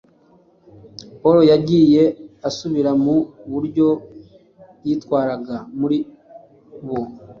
Pawulo yagiye asubira mu buryo yitwaraga muri bo.